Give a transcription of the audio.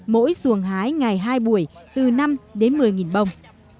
mỗi xuồng hái ngày hai buổi từ năm đến một mươi bông